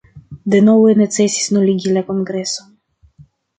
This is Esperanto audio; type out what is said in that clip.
Denove necesis nuligi la kongreson.